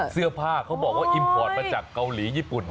เสื้อผ้าเขาบอกว่าอิมพอร์ตมาจากเกาหลีญี่ปุ่น